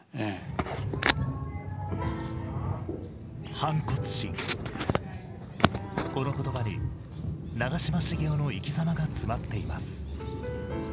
反骨心、この言葉に、長嶋茂雄の生きざまが詰まっています。